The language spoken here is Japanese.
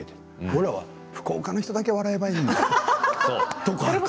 俺らは福岡の人だけ笑えばいいと。